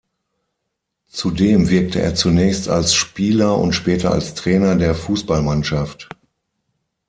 Zudem wirkte er zunächst als Spieler und später als Trainer der Fußballmannschaft.